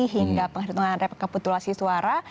hingga penghitungan rekapitulasi suara